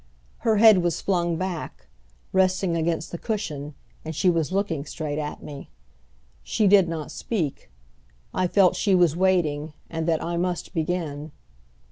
Her head was flung back, resting against the cushion and she was looking straight at me. She did not speak. I felt she was waiting, and that I must begin.